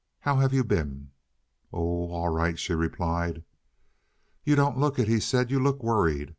How have you been?" "Oh, all right," she replied. "You don't look it!" he said. "You look worried.